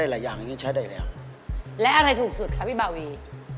เกรียงมุ่งผีถังฟูนพี่บ่าวี